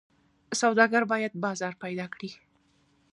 سوداګر باید بازار پیدا کړي.